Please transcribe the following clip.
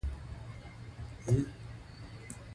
جواهرات د افغانستان په هره برخه کې موندل کېږي.